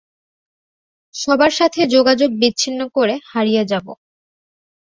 সবার সাথে যোগাযোগ বিচ্ছিন্ন করে হারিয়ে যাবো।